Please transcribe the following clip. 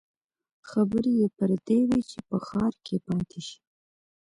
خبرې يې پر دې وې چې په ښار کې پاتې شي.